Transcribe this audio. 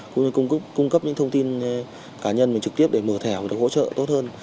cũng như cung cấp những thông tin cá nhân mình trực tiếp để mở thẻ và được hỗ trợ tốt hơn